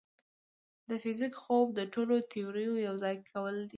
د فزیک خوب د ټولو تیوريو یوځای کول دي.